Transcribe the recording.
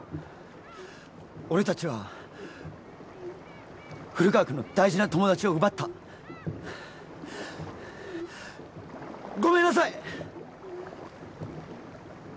俺達は古川君の大事な友達を奪ったごめんなさい！